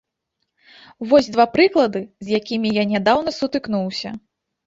Вось два прыклады, з якімі я нядаўна сутыкнуўся.